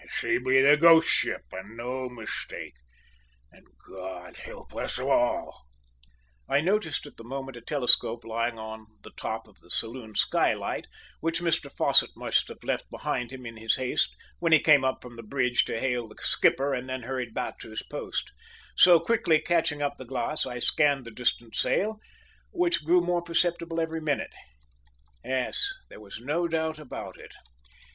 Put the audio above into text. Aye, she be the `ghost ship' and no mistake, and God help us all!" I noticed at the moment a telescope lying on the top of the saloon skylight, which Mr Fosset must have left behind him in his haste, when he came from the bridge to hail the skipper and then hurried back to his post; so, quickly catching up the glass, I scanned the distant sail, which grew more perceptible every minute. Yes, there was no doubt about it.